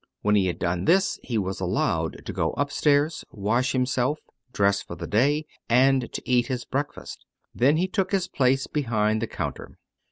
When he had done this, he was allowed to go up stairs, wash himself, dress for the day, and to eat his breakfast. Then he took his place behind the counter.